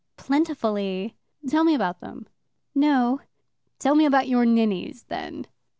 "Plentifully." "Tell me about them." "No." "Tell me about your ninnies, then."